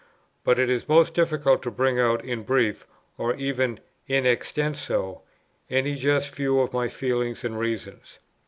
But it is most difficult to bring out in brief, or even in extenso, any just view of my feelings and reasons.